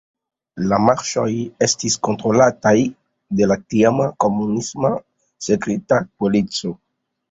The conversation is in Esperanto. La marŝoj estis kontrolataj de la tiama komunisma sekreta polico.